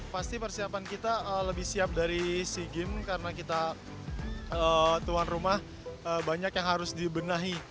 pasti persiapan kita lebih siap dari sea games karena kita tuan rumah banyak yang harus dibenahi